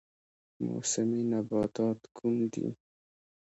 موسمي نباتات کوم دي؟